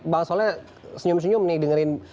bang soalnya senyum senyum nih dengerin